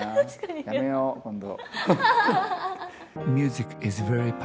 やめよう、今度。